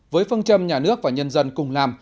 với phương châm nhà nước và nhân dân cùng làm